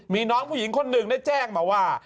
มีน้องผู้หญิงคนหนึ่งได้แจ้งมาว่า